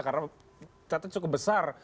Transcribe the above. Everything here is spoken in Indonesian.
karena catanya cukup besar